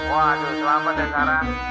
waduh selamat ya sarah